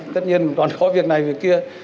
tất nhiên còn có việc này việc kia